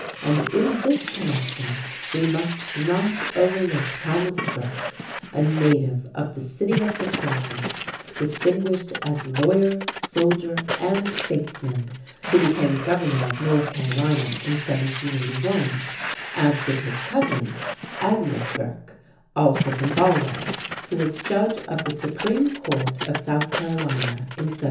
And, in this connection, we must not overlook Thomas Burke, a native of "the City of the Tribes", distinguished as lawyer, soldier, and statesman, who became governor of North Carolina in 1781, as did his cousin Aedanus Burke, also from Galway, who was judge of the Supreme Court of South Carolina in 1778.